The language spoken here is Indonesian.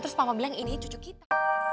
terus mama bilang ini cucu kita